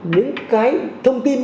những cái thông tin